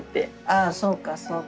あそうかそうか。